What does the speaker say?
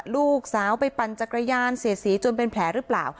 ลูกสาวไปปั่นจักรยานเสียสีจนเป็นแผลหรือเปล่า